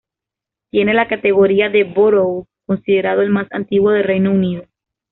Tiene la categoría de "borough", considerado el más antiguo de Reino Unido.